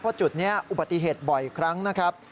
เพราะจุดนี้อุบัติเหตุบ่อยครั้งนะครับ